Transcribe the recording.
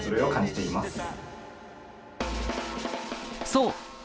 そう！